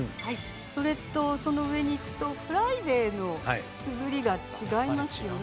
それとその上にいくとＦｒｉｄａｙのつづりが違いますよね。